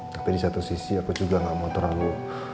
tapi di satu sisi aku juga gak mau terlalu